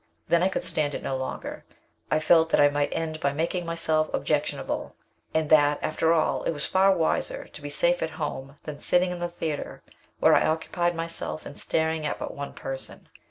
Then I could stand it no longer. I felt that I might end by making myself objectionable, and that, after all, it was far wiser to be safe at home, than sitting in the theatre where I occupied myself in staring at but one person.